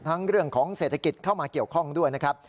เรื่องของเศรษฐกิจเข้ามาเกี่ยวข้องด้วยนะครับ